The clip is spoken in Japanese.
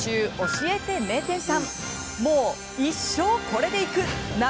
「教えて名店さん！」。